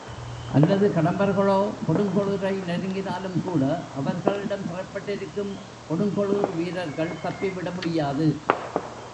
அல்லது கடம்பர்களே கொடுங்கோளுரை நெருங்கினாலும்கூட அவர்களிடம் சிறைப்பட்டிருக்கும் கொடுங்கோளுர் வீரர்கள் தப்பிவிட முடியாது.